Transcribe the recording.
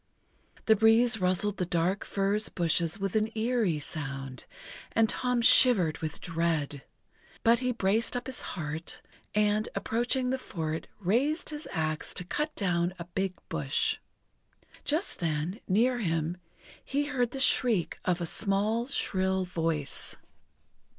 The breeze rustled the dark furze bushes with an eerie sound, and Tom shivered with dread. But he braced up his heart, and, approaching the fort, raised his axe to cut down a big bush. Just then, near him, he heard the shriek of a small, shrill voice.